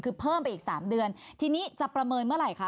คือเพิ่มไปอีกสามเดือนทีนี้จะประเมินเมื่อไหร่คะ